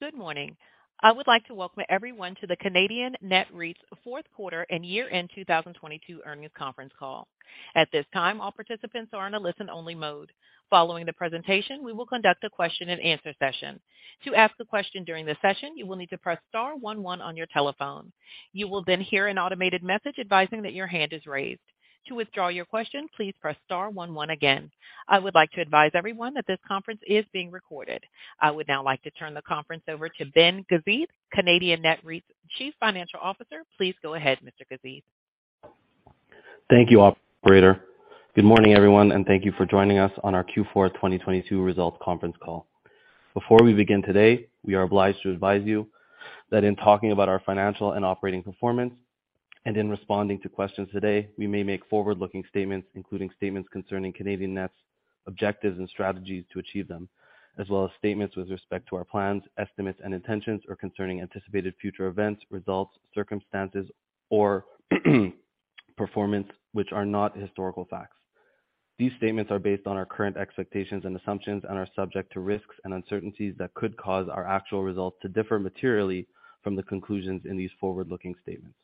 Good morning. I would like to welcome everyone to the Canadian Net REIT's fourth quarter and year-end 2022 earnings conference call. At this time, all participants are in a listen-only mode. Following the presentation, we will conduct a question and answer session. To ask a question during the session, you will need to press star 11 on your telephone. You will then hear an automated message advising that your hand is raised. To withdraw your question, please press star 11 again. I would like to advise everyone that this conference is being recorded. I would now like to turn the conference over to Ben Gazith, Canadian Net REIT's Chief Financial Officer. Please go ahead, Mr. Gazith. Thank you, operator. Good morning, everyone. Thank you for joining us on our Q4 2022 Results Conference Call. Before we begin today, we are obliged to advise you that in talking about our financial and operating performance and in responding to questions today, we may make forward-looking statements, including statements concerning Canadian Net's objectives and strategies to achieve them, as well as statements with respect to our plans, estimates and intentions, or concerning anticipated future events, results, circumstances, or performance which are not historical facts. These statements are based on our current expectations and assumptions and are subject to risks and uncertainties that could cause our actual results to differ materially from the conclusions in these forward-looking statements.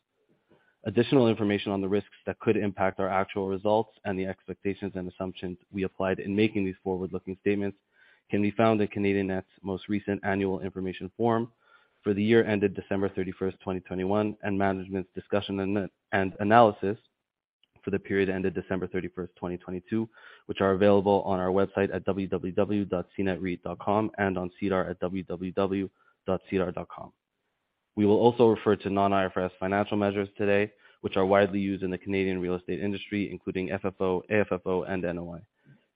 Additional information on the risks that could impact our actual results and the expectations and assumptions we applied in making these forward-looking statements can be found in Canadian Net's most recent annual information form for the year ended December 31st, 2021, and management's discussion and analysis for the period ended December 31st, 2022, which are available on our website at www.cnetreit.com and on SEDAR at www.sedar.com. We will also refer to non-IFRS financial measures today, which are widely used in the Canadian real estate industry, including FFO, AFFO, and NOI.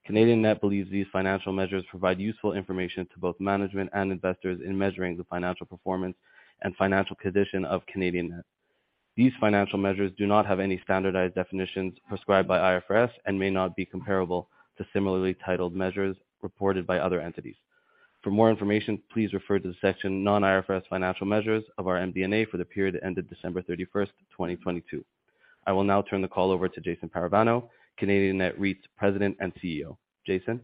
Canadian Net believes these financial measures provide useful information to both management and investors in measuring the financial performance and financial position of Canadian Net. These financial measures do not have any standardized definitions prescribed by IFRS and may not be comparable to similarly titled measures reported by other entities. For more information, please refer to the section Non-IFRS Financial Measures of our MD&A for the period that ended December 31st, 2022. I will now turn the call over to Jason Parravano, Canadian Net REIT's President and Chief Executive Officer. Jason?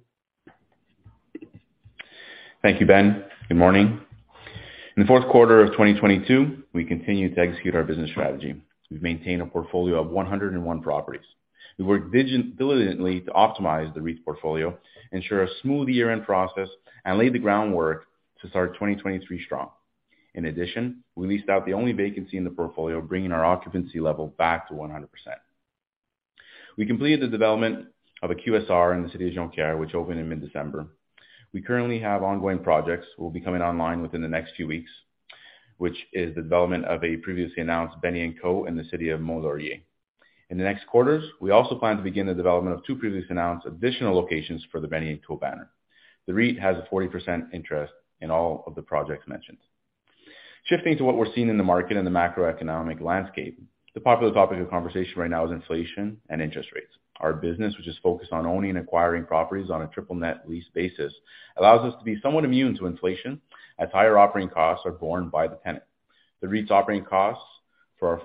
Thank you, Ben. Good morning. In the fourth quarter of 2022, we continued to execute our business strategy. We've maintained a portfolio of 101 properties. We worked diligently to optimize the REIT's portfolio, ensure a smooth year-end process, and lay the groundwork to start 2023 strong. In addition, we leased out the only vacancy in the portfolio, bringing our occupancy level back to 100%. We completed the development of a QSR in the city of Jonquière, which opened in mid-December. We currently have ongoing projects will be coming online within the next few weeks, which is the development of a previously announced Benny&Co. in the city of Mont-Laurier. In the next quarters, we also plan to begin the development of two previously announced additional locations for the Benny&Co. banner. The REIT has a 40% interest in all of the projects mentioned. Shifting to what we're seeing in the market and the macroeconomic landscape, the popular topic of conversation right now is inflation and interest rates. Our business, which is focused on owning and acquiring properties on a triple net lease basis, allows us to be somewhat immune to inflation, as higher operating costs are borne by the tenant. The REIT's operating costs for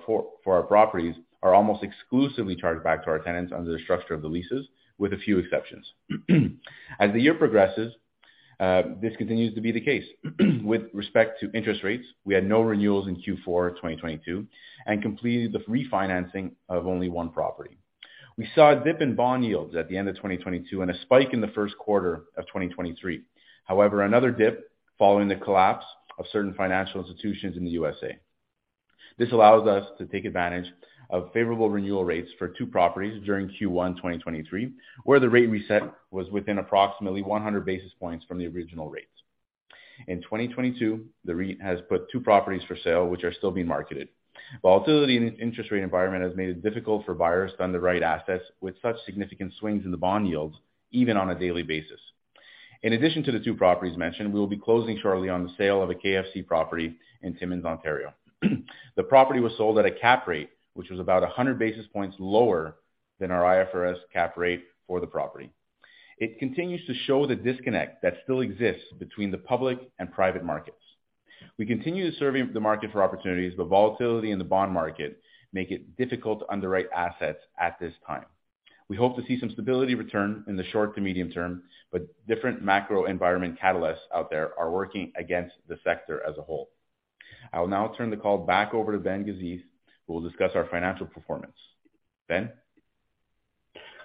our properties are almost exclusively charged back to our tenants under the structure of the leases, with a few exceptions. As the year progresses, this continues to be the case. With respect to interest rates, we had no renewals in Q4 2022 and completed the refinancing of only one property. We saw a dip in bond yields at the end of 2022 and a spike in the first quarter of 2023. Another dip following the collapse of certain financial institutions in the U.S.A. This allows us to take advantage of favorable renewal rates for two properties during Q1 2023, where the rate reset was within approximately 100 basis points from the original rates. In 2022, the REIT has put two properties for sale, which are still being marketed. Volatility in the interest rate environment has made it difficult for buyers to underwrite assets with such significant swings in the bond yields, even on a daily basis. In addition to the 2 properties mentioned, we will be closing shortly on the sale of a KFC property in Timmins, Ontario. The property was sold at a cap rate, which was about 100 basis points lower than our IFRS cap rate for the property. It continues to show the disconnect that still exists between the public and private markets. We continue to survey the market for opportunities, but volatility in the bond market make it difficult to underwrite assets at this time. We hope to see some stability return in the short to medium term, but different macro environment catalysts out there are working against the sector as a whole. I will now turn the call back over to Ben Gazith, who will discuss our financial performance. Ben?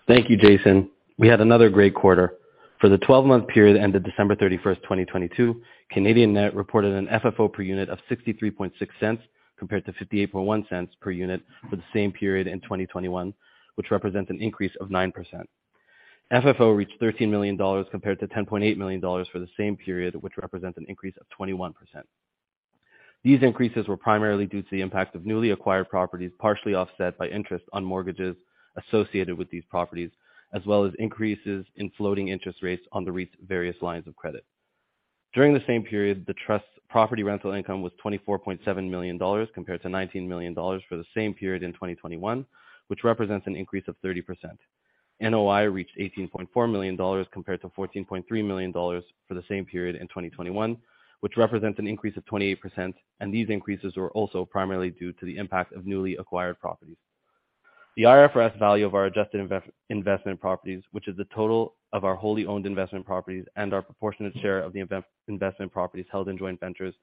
Thank you, Jason. We had another great quarter. For the 12-month period ended December 31, 2022, Canadian Net reported an FFO per unit of 0.636, compared to 0.581 per unit for the same period in 2021, which represents an increase of 9%. FFO reached 13 million dollars compared to 10.8 million dollars for the same period, which represents an increase of 21%. These increases were primarily due to the impact of newly acquired properties, partially offset by interest on mortgages associated with these properties, as well as increases in floating interest rates on the REIT's various lines of credit. During the same period, the trust's property rental income was 24.7 million dollars, compared to 19 million dollars for the same period in 2021, which represents an increase of 30%. NOI reached 18.4 million dollars, compared to 14.3 million dollars for the same period in 2021, which represents an increase of 28%. These increases were also primarily due to the impact of newly acquired properties. The IFRS value of our adjusted investment properties, which is the total of our wholly owned investment properties and our proportionate share of the investment properties held in joint ventures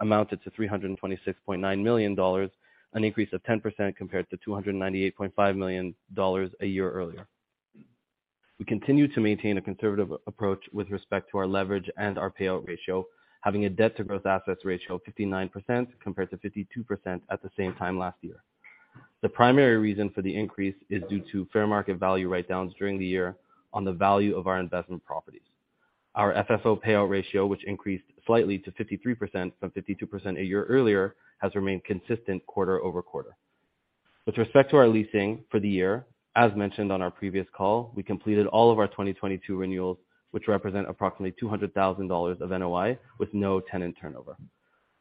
amounted to 326.9 million dollars, an increase of 10% compared to 298.5 million dollars a year earlier. We continue to maintain a conservative approach with respect to our leverage and our payout ratio, having a debt to gross assets ratio of 59% compared to 52% at the same time last year. The primary reason for the increase is due to fair market value write-downs during the year on the value of our investment properties. Our FFO payout ratio, which increased slightly to 53% from 52% a year earlier, has remained consistent quarter-over-quarter. With respect to our leasing for the year, as mentioned on our previous call, we completed all of our 2022 renewals, which represent approximately 200,000 dollars of NOI, with no tenant turnover.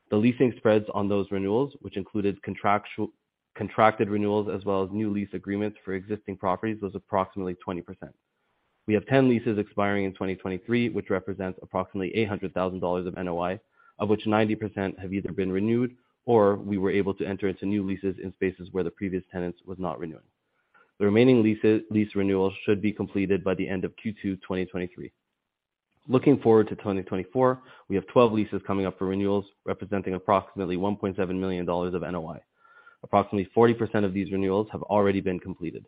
The leasing spreads on those renewals, which included contracted renewals as well as new lease agreements for existing properties, was approximately 20%. We have 10 leases expiring in 2023, which represents approximately 800,000 dollars of NOI, of which 90% have either been renewed or we were able to enter into new leases in spaces where the previous tenants was not renewing. The remaining lease renewals should be completed by the end of Q2 2023. Looking forward to 2024, we have 12 leases coming up for renewals, representing approximately 1.7 million dollars of NOI. Approximately 40% of these renewals have already been completed.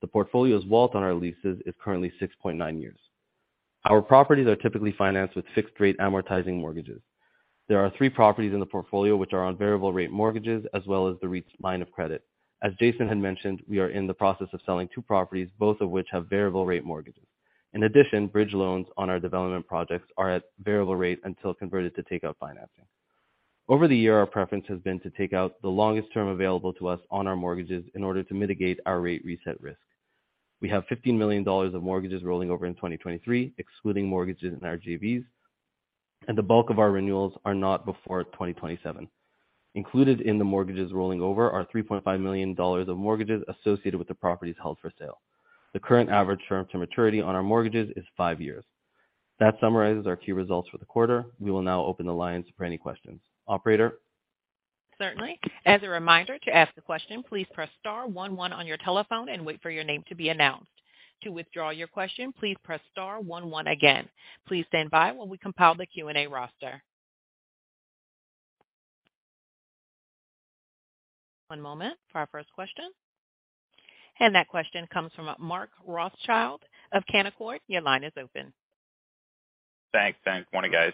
The portfolio's WALT on our leases is currently 6.9 years. Our properties are typically financed with fixed rate amortizing mortgages. There are three properties in the portfolio which are on variable rate mortgages as well as the REIT's line of credit. As Jason had mentioned, we are in the process of selling two properties, both of which have variable rate mortgages. In addition, bridge loans on our development projects are at variable rate until converted to take out financing. Over the year, our preference has been to take out the longest term available to us on our mortgages in order to mitigate our rate reset risk. We have 15 million dollars of mortgages rolling over in 2023, excluding mortgages in our JVs. The bulk of our renewals are not before 2027. Included in the mortgages rolling over are 3.5 million dollars of mortgages associated with the properties held for sale. The current average term to maturity on our mortgages is five years. That summarizes our key results for the quarter. We will now open the lines for any questions. Operator? Certainly. As a reminder to ask a question, please press star 11 on your telephone and wait for your name to be announced. To withdraw your question, please press star 11 again. Please stand by while we compile the Q&A roster. One moment for our first question. That question comes from Mark Rothschild of Canaccord. Your line is open. Thanks. Thanks. Morning, guys.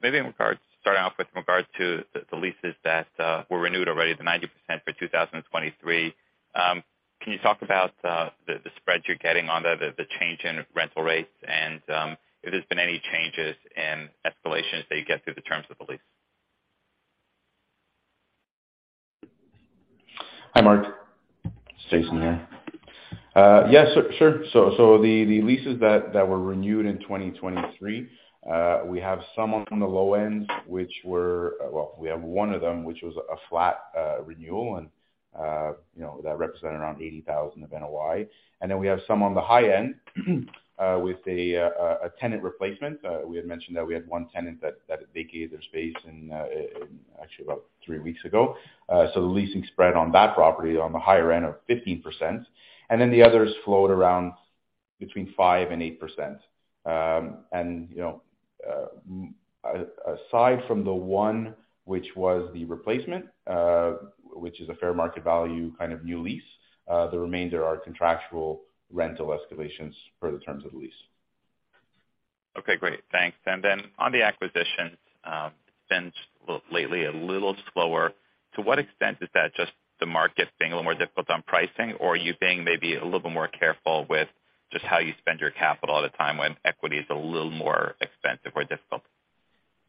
Maybe starting off with regards to the leases that were renewed already, the 90% for 2023. Can you talk about the spread you're getting on the change in rental rates and if there's been any changes in escalations that you get through the terms of the lease? Hi, Mark. Jason here. Yeah, sure. The leases that were renewed in 2023, we have some on the low end which were... Well, we have one of them, which was a flat renewal, and, you know, that represented around 80,000 of NOI. Then we have some on the high end, with a tenant replacement. We had mentioned that we had one tenant that vacated their space and, actually about three weeks ago. The leasing spread on that property on the higher end of 15%. Then the others float around between 5% and 8%. You know, aside from the one which was the replacement, which is a fair market value, kind of new lease, the remainder are contractual rental escalations for the terms of the lease. Okay, great. Thanks. On the acquisitions, been lately a little slower. To what extent is that just the market being a little more difficult on pricing or you being maybe a little bit more careful with just how you spend your capital at a time when equity is a little more expensive or difficult?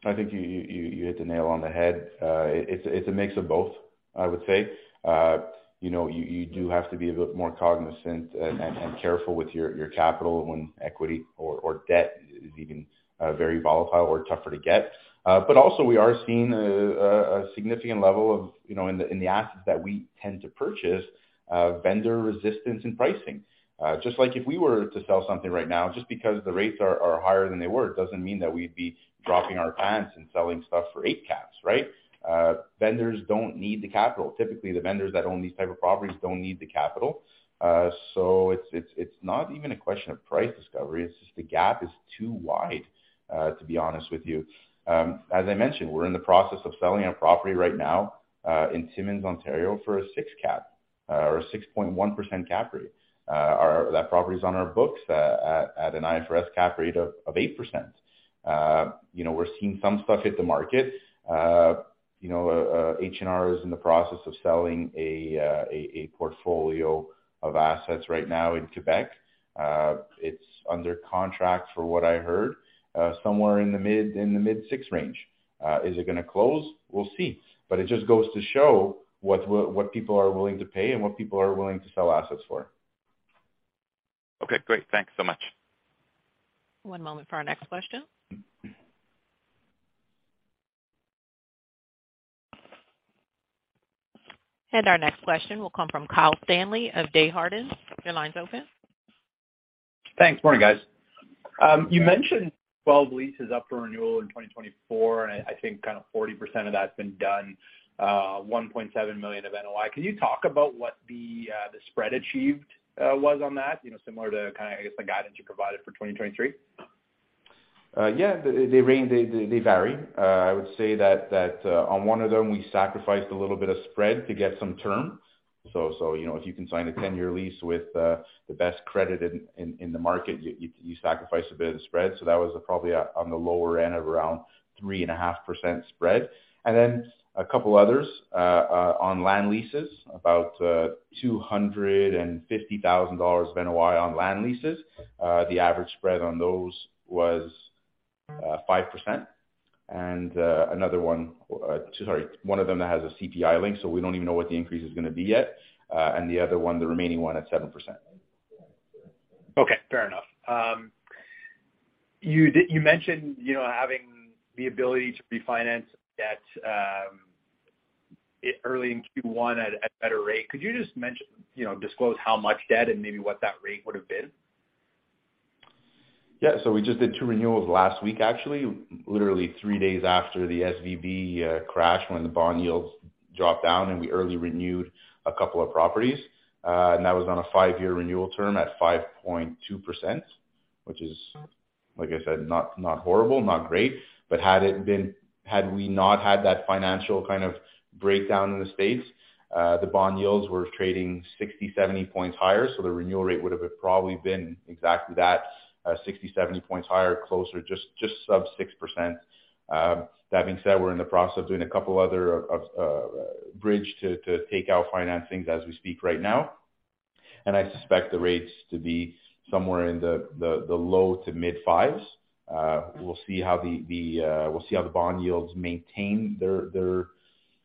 I think you hit the nail on the head. It's a mix of both, I would say. You know, you do have to be a bit more cognizant and careful with your capital when equity or debt is even very volatile or tougher to get. Also we are seeing a significant level of, you know, in the assets that we tend to purchase, vendor resistance in pricing. Just like if we were to sell something right now, just because the rates are higher than they were, doesn't mean that we'd be dropping our pants and selling stuff for eight caps, right? Vendors don't need the capital. Typically, the vendors that own these type of properties don't need the capital. It's not even a question of price discovery, it's just the gap is too wide, to be honest with you. As I mentioned, we're in the process of selling a property right now in Timmins, Ontario for a six cap or a 6.1% cap rate. That property is on our books at an IFRS cap rate of 8%. You know, we're seeing some stuff hit the market. You know, H&R is in the process of selling a portfolio of assets right now in Quebec. It's under contract for what I heard, somewhere in the mid six range. Is it gonna close? We'll see. It just goes to show what people are willing to pay and what people are willing to sell assets for. Okay, great. Thanks so much. One moment for our next question. Our next question will come from Kyle Stanley of Desjardins. Your line's open. Thanks. Morning, guys. You mentioned 12 leases up for renewal in 2024, and I think kind of 40% of that's been done, 1.7 million of NOI. Can you talk about what the spread achieved was on that, you know, similar to kind of, I guess, the guidance you provided for 2023? Yeah, they vary. I would say that on one of them, we sacrificed a little bit of spread to get some terms. You know, if you can sign a 10-year lease with the best credit in the market, you sacrifice a bit of the spread. That was probably on the lower end of around 3.5% spread. A couple others on land leases, about $250,000 of NOI on land leases. The average spread on those was 5%. Another one. Sorry, one of them that has a CPI link, so we don't even know what the increase is going to be yet. The other one, the remaining one at 7%. Okay, fair enough. You mentioned, you know, having the ability to refinance debt, early in Q1 at better rate. Could you just you know, disclose how much debt and maybe what that rate would have been? We just did two renewals last week, actually, literally three days after the SVB crash when the bond yields dropped down, and we early renewed a couple of properties. That was on a five-year renewal term at 5.2%, which is, like I said, not horrible, not great. Had we not had that financial kind of breakdown in the States, the bond yields were trading 60, 70 points higher, so the renewal rate would have probably been exactly that, 60, 70 points higher, closer, just sub 6%. That being said, we're in the process of doing a couple other bridge to take out financings as we speak right now. I suspect the rates to be somewhere in the low to mid 5s. We'll see how the bond yields maintain their, you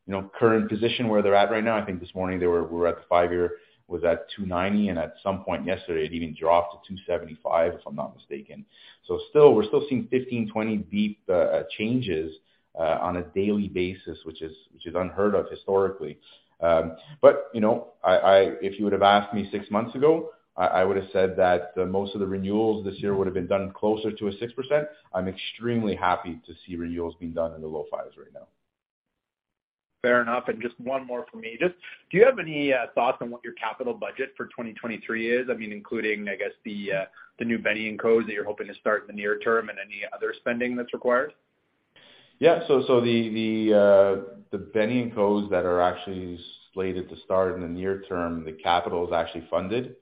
know, current position where they're at right now. I think this morning we were at the five year was at 2.90%, and at some point yesterday, it even dropped to 2.75%, if I'm not mistaken. Still, we're still seeing 15, 20 BP changes on a daily basis, which is unheard of historically. You know, if you would have asked me six months ago, I would have said that most of the renewals this year would have been done closer to a 6%. I'm extremely happy to see renewals being done in the low fives right now. Fair enough. Just one more for me. Just, do you have any thoughts on what your capital budget for 2023 is? I mean, including, I guess, the new Benny&Co. that you're hoping to start in the near term and any other spending that's required. Yeah. So the Benny&Cos.'s, that are actually slated to start in the near term, the capital is actually funded,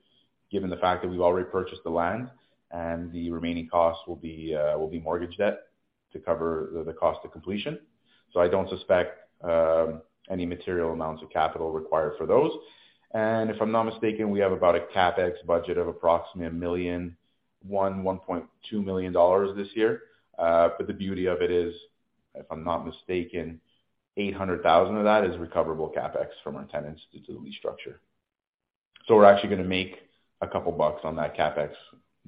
given the fact that we've already purchased the land and the remaining costs will be mortgage debt to cover the cost of completion. I don't suspect any material amounts of capital required for those. If I'm not mistaken, we have about a CapEx budget of approximately 1.1 million-1.2 million dollars this year. The beauty of it is, if I'm not mistaken, 800,000 of that is recoverable CapEx from our tenants due to the lease structure. We're actually gonna make a couple bucks on that CapEx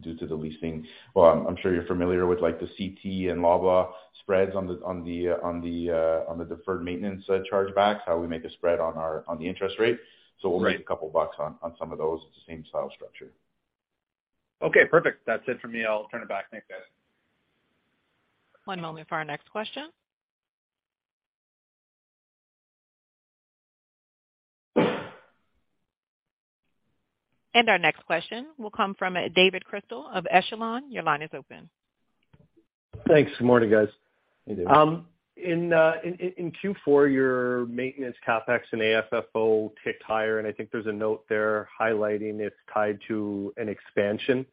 due to the leasing. Well, I'm sure you're familiar with, like, the CT and LAVA spreads on the deferred maintenance chargebacks, how we make a spread on the interest rate. Right. We'll make a couple bucks on some of those. It's the same style structure. Okay, perfect. That's it for me. I'll turn it back. Thanks, guys. One moment for our next question. Our next question will come from David Chrystal of Echelon. Your line is open. Thanks. Good morning, guys. Hey, David. In Q4, your maintenance CapEx and AFFO ticked higher, and I think there's a note there highlighting it's tied to an expansion.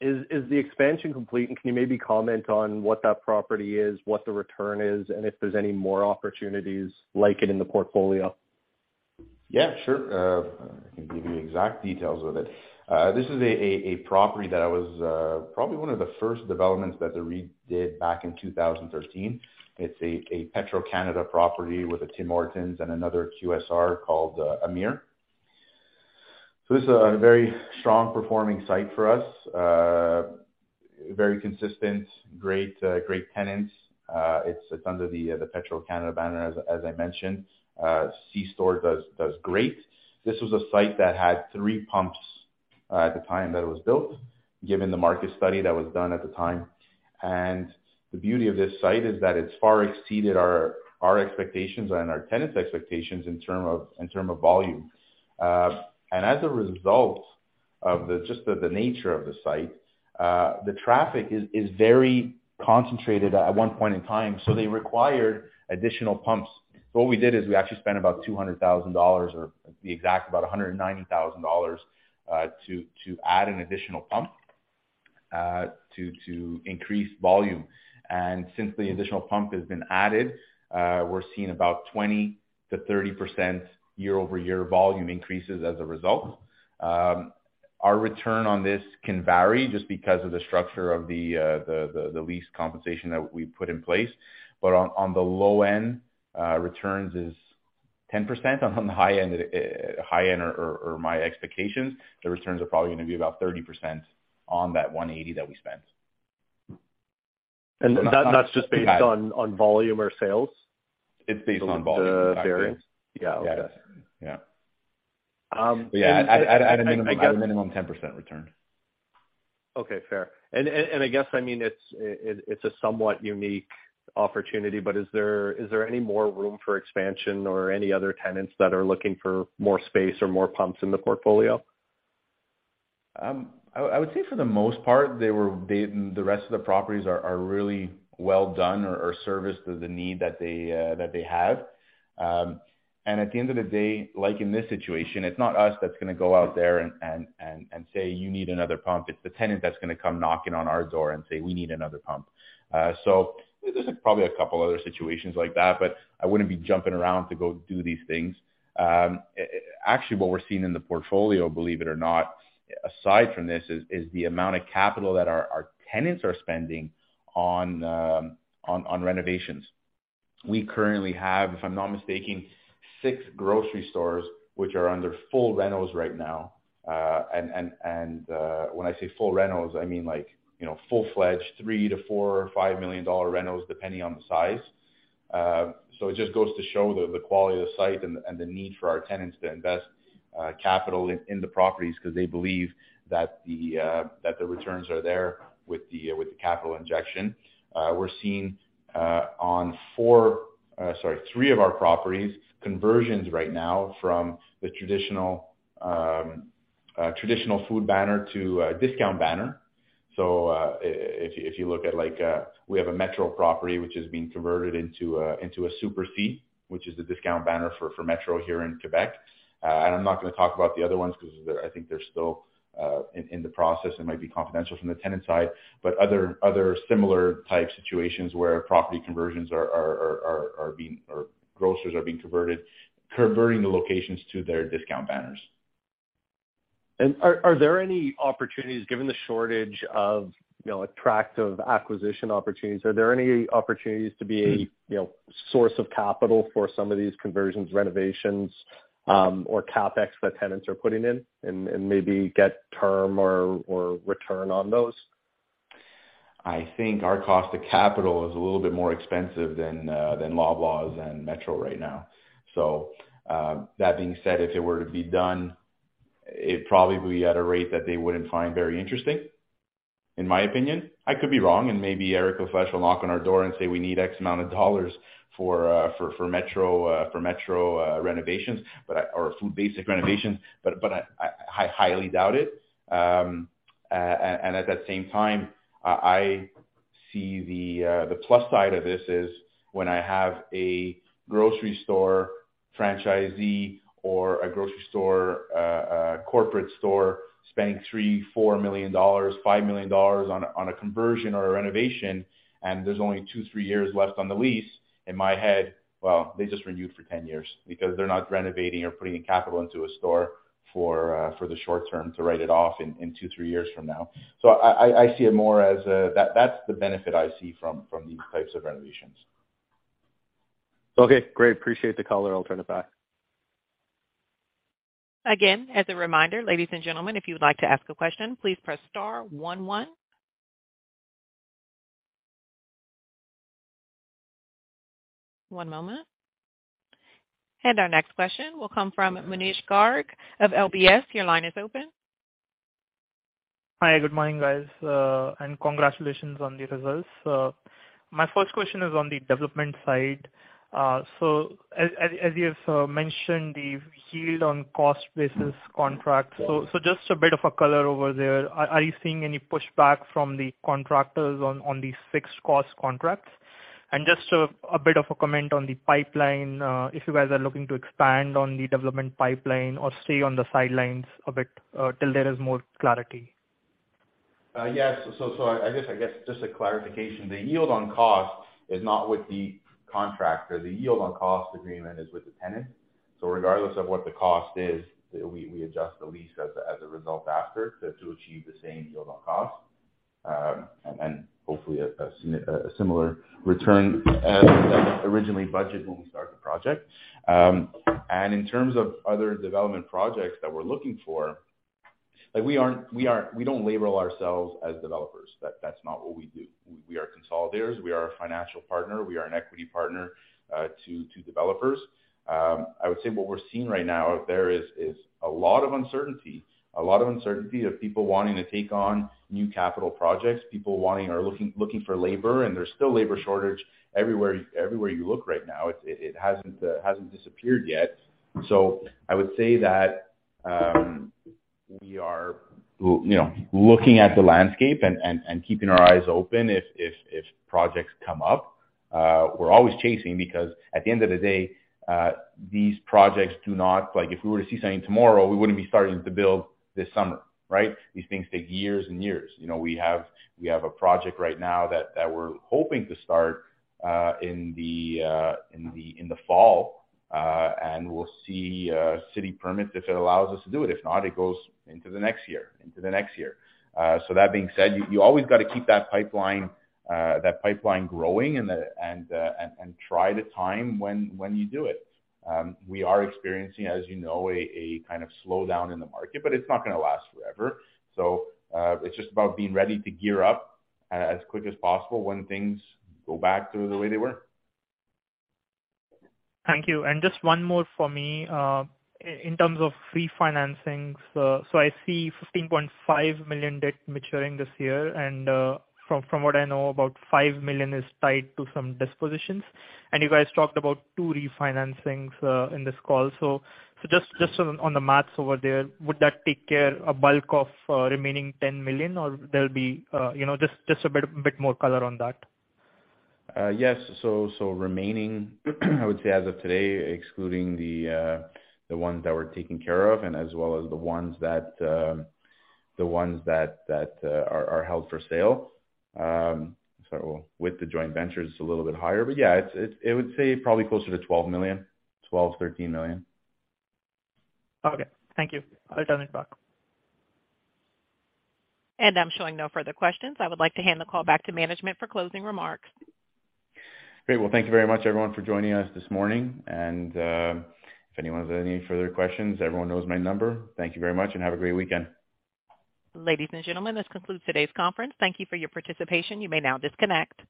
Is the expansion complete? Can you maybe comment on what that property is, what the return is, and if there's any more opportunities like it in the portfolio? Sure. I can give you exact details of it. This is a property that was probably one of the first developments that the REIT did back in 2013. It's a Petro-Canada property with a Tim Hortons and another QSR called Amir. This is a very strong performing site for us. Very consistent, great tenants. It's under the Petro-Canada banner, as I mentioned. C-store does great. This was a site that had 3 pumps at the time that it was built, given the market study that was done at the time. The beauty of this site is that it's far exceeded our expectations and our tenants' expectations in term of volume. As a result of the nature of the site, the traffic is very concentrated at one point in time, so they required additional pumps. What we did is we actually spent about $200,000 or about $190,000 to add an additional pump to increase volume. Since the additional pump has been added, we're seeing about 20%-30% year-over-year volume increases as a result. Our return on this can vary just because of the structure of the lease compensation that we put in place. On the low end, returns is 10%. On the high end or my expectations, the returns are probably gonna be about 30% on that 180 that we spent. That's just based on volume or sales? It's based on volume. The variance. Yeah. Okay. Yeah. Yeah. Um, and I, I- At a minimum, 10% return. Okay. Fair. I guess, I mean, it's a somewhat unique opportunity. Is there any more room for expansion or any other tenants that are looking for more space or more pumps in the portfolio? I would say for the most part, the rest of the properties are really well done or serviced to the need that they have. At the end of the day, like in this situation, it's not us that's gonna go out there and say, "You need another pump." It's the tenant that's gonna come knocking on our door and say, "We need another pump." There's probably a couple other situations like that, but I wouldn't be jumping around to go do these things. Actually, what we're seeing in the portfolio, believe it or not, aside from this, is the amount of capital that our tenants are spending on renovations. We currently have, if I'm not mistaken, 6 grocery stores which are under full renos right now. When I say full renos, I mean, like, you know, full-fledged 3 million-4 million or 5 million dollar renos, depending on the size. It just goes to show the quality of the site and the need for our tenants to invest capital in the properties because they believe that the returns are there with the capital injection. We're seeing on four, sorry, three of our properties, conversions right now from the traditional food banner to a discount banner. If you look at like, we have a Metro property, which is being converted into a Super C, which is the discount banner for Metro here in Quebec. I'm not gonna talk about the other ones 'cause I think they're still in the process and might be confidential from the tenant side. Other similar type situations where property conversions are being or grocers are being converted, converting the locations to their discount banners. Are there any opportunities given the shortage of, you know, attractive acquisition opportunities, are there any opportunities? Mm-hmm. You know, source of capital for some of these conversions, renovations, or CapEx that tenants are putting in and maybe get term or return on those? I think our cost to capital is a little bit more expensive than Loblaw and Metro right now. That being said, if it were to be done, it probably be at a rate that they wouldn't find very interesting, in my opinion. I could be wrong, and maybe Eric or [Fl`eche] will knock on our door and say, "We need X amount of dollars for Metro renovations or Food Basics renovations." I highly doubt it. At that same time, I see the plus side of this is when I have a grocery store franchisee or a grocery store corporate store spending 3, 4 million, 5 million dollars on a conversion or a renovation, and there's only two, three years left on the lease, in my head, well, they just renewed for 10 years because they're not renovating or putting capital into a store for the short term to write it off in two, three years from now. I see it more as that's the benefit I see from these types of renovations. Okay, great. Appreciate the color. I'll turn it back. As a reminder, ladies and gentlemen, if you would like to ask a question, please press star one one. One moment. Our next question will come from Manish Garg of LBS. Your line is open. Hi, good morning, guys. Congratulations on the results. My first question is on the development side. As you've mentioned the yield on cost basis contracts, just a bit of a color over there. Are you seeing any pushback from the contractors on these fixed cost contracts? Just a bit of a comment on the pipeline, if you guys are looking to expand on the development pipeline or stay on the sidelines a bit, till there is more clarity. Yes. I guess just a clarification. The yield on cost is not with the contractor. The yield on cost agreement is with the tenant. Regardless of what the cost is, we adjust the lease as a result after to achieve the same yield on cost and hopefully a similar return as we originally budget when we start the project. In terms of other development projects that we're looking for, like, we don't label ourselves as developers. That's not what we do. We are consolidators. We are a financial partner. We are an equity partner to developers. I would say what we're seeing right now out there is a lot of uncertainty, a lot of uncertainty of people wanting to take on new capital projects. People wanting or looking for labor. There's still labor shortage everywhere you look right now. It hasn't disappeared yet. I would say that, we are, you know, looking at the landscape and keeping our eyes open if projects come up. We're always chasing because at the end of the day, like, if we were to see something tomorrow, we wouldn't be starting to build this summer, right? These things take years and years. You know, we have a project right now that we're hoping to start in the fall. We'll see city permits if it allows us to do it. If not, it goes into the next year. That being said, you always gotta keep that pipeline, that pipeline growing and the, and try the time when you do it. We are experiencing, as you know, a kind of slowdown in the market, but it's not gonna last forever. It's just about being ready to gear up as quick as possible when things go back to the way they were. Thank you. Just one more for me. In terms of refinancings, so I see 15.5 million debt maturing this year. From what I know, about 5 million is tied to some dispositions. You guys talked about two refinancings in this call. Just on the math over there, would that take care a bulk of remaining 10 million, or there'll be, you know, just a bit more color on that. Yes. Remaining, I would say as of today, excluding the ones that we're taking care of and as well as the ones that are held for sale. With the joint ventures, it's a little bit higher. Yeah, it's I would say probably closer to 12 million, 12 million-13 million. Okay. Thank you. I don't. I'm showing no further questions. I would like to hand the call back to management for closing remarks. Great. Well, thank you very much, everyone, for joining us this morning. If anyone has any further questions, everyone knows my number. Thank you very much and have a great weekend. Ladies and gentlemen, this concludes today's conference. Thank you for your participation. You may now disconnect.